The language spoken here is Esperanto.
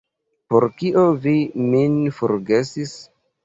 Por kio vi min forgesis?